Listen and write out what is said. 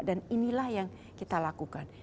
dan inilah yang kita lakukan